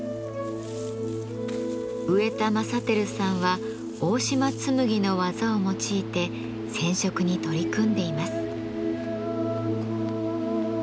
植田正輝さんは大島紬の技を用いて染色に取り組んでいます。